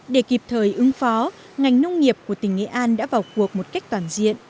để kịp thời ứng phó ngành nông nghiệp của tỉnh nghệ an đã vào cuộc một cách toàn diện